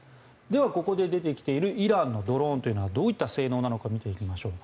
では、ここで出てきているイランのドローンというのはどういう性能なのか見ていきましょう。